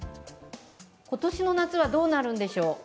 今年の夏はどうなんでしょう？